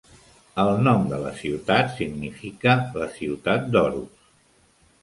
El nom de la ciutat significa "la ciutat d'Oros".